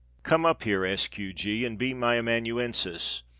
Come up here, S. Q. G. and be my amanuensis.